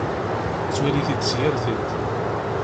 Yettwali-tt-id s yir tiṭ.